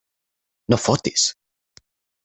No fotis!